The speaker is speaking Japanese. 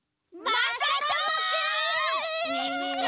まさともくん！